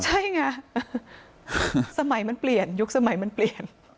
ใช่ไงสมัยมันเปลี่ยนยุคสมัยมันเปลี่ยน